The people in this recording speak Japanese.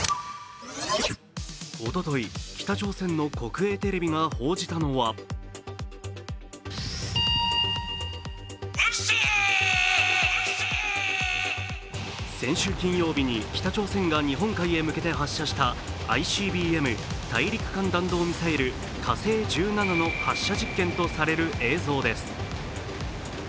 おととい、北朝鮮の国営テレビが報じたのは先週金曜日に北朝鮮が日本海へ向けて発射したＩＣＢＭ＝大陸間弾道ミサイル火星１７の発射実験とされる映像です。